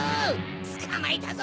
つかまえたぞ！